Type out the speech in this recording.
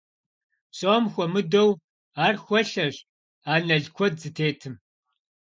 Псом хуэмыдэу, ар хуэлъэщ анэл куэд зытетым.